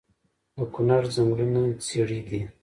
د کونړ ځنګلونه څیړۍ دي